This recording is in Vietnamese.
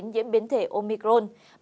diễn biến thể omicron